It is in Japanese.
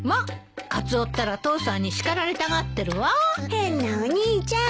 変なお兄ちゃん。